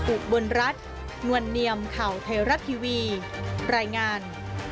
อุบลรัฐนวลเนียมข่าวไทยรัฐทีวีรายงาน